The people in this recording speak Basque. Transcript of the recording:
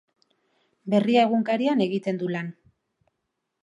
Berria egunkarian egiten du lan.